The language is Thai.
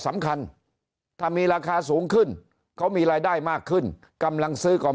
สำคัญถ้ามีราคาสูงขึ้นเขามีรายได้มากขึ้นกำลังซื้อของ